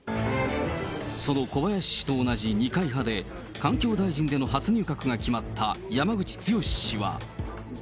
その小林氏と同じ二階派で、環境大臣での初入閣が決まった山口壮氏は。